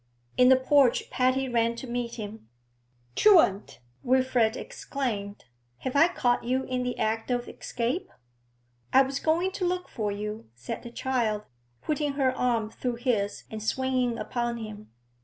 In the porch Patty ran to meet him. 'Truant!' Wilfrid exclaimed. 'Have I caught you in the act of escape?' 'I was going to look for you,' said the child, putting her arm through his and swinging upon him.